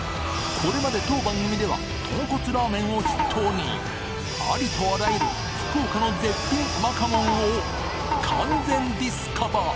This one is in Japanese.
これまで当番組では豚骨ラーメンを筆頭にありとあらゆる福岡の絶品うまかもんを完全ディスカバ！